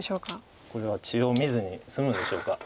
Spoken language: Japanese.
これは血を見ずに済むんでしょうか。